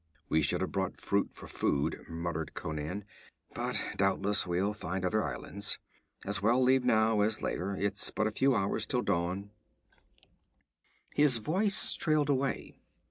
'We should have brought fruit for food,' muttered Conan; 'but doubtless we'll find other islands. As well leave now as later; it's but a few hours till dawn ' His voice trailed away.